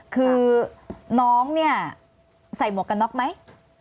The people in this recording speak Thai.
คือน้องเนี่ยใส่หมวกกันน็อกไหม